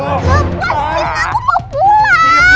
lepas deh aku mau pulang